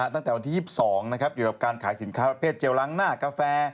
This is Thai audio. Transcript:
ตั้งแต่วันที่๒๒อยู่กับการขายสินค้าประเภทเจลล้างหน้ากาแฟ